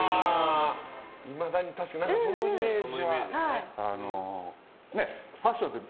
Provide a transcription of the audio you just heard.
いまだにそのイメージは。